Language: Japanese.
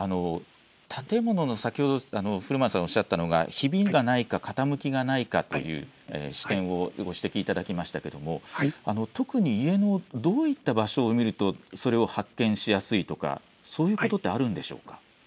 先ほど古村さんがおっしゃったのが建物にひびがないか、傾きがないかとご指摘いただきましたが特に家のどういった場所を見るとそれを発見しやすいとか、そういうことはあるんでしょうか。